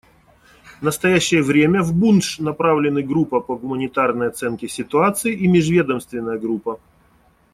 В настоящее время в Бундж направлены группа по гуманитарной оценке ситуации и межведомственная группа.